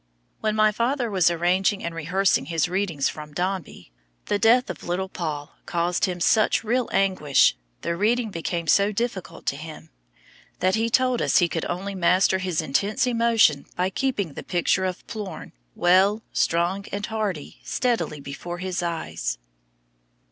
When my father was arranging and rehearsing his readings from "Dombey," the death of "little Paul" caused him such real anguish, the reading being so difficult to him, that he told us he could only master his intense emotion by keeping the picture of Plorn, well, strong and hearty, steadily before his eyes.